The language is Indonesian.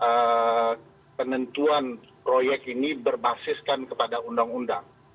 bahwa penentuan proyek ini berbasiskan kepada undang undang